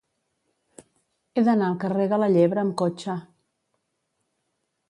He d'anar al carrer de la Llebre amb cotxe.